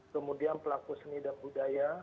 kemudian pelaku seni dan budaya